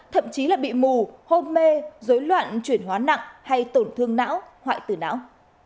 thậm chí là bị mù hôn mê dối loạn chuyển hóa nặng hay tổn thương não hoại tử não